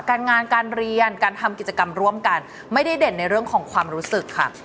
การงานการเรียนการทำกิจกรรมร่วมกันไม่ได้เด่นในเรื่องของความรู้สึกค่ะ